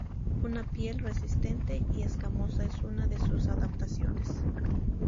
Una piel resistente y escamosa es una de sus adaptaciones.